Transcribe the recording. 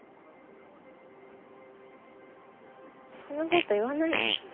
そんなこと言わないでよ。